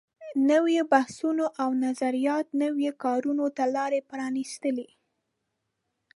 نويو بحثونو او نظریاتو نویو کارونو ته لارې پرانیستلې.